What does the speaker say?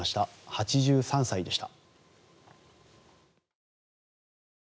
８３歳でした。